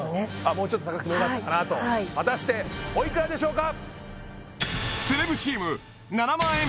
もうちょっと高くてもよかったかなと果たしておいくらでしょうかセレブチーム７万円